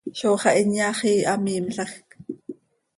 Zó xah inyaxii hamiimlajc.